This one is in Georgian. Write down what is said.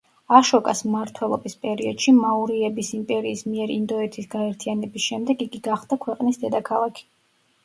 აშოკას მმართველობის პერიოდში მაურიების იმპერიის მიერ ინდოეთის გაერთიანების შემდეგ იგი გახდა ქვეყნის დედაქალაქი.